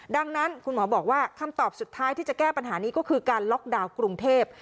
ดังนั้นคุณหมอบอกว่าคำตอบสุดท้ายที่จะแก้ปัญหานี้ก็คือการล็อกดาวน์กรุงเทพ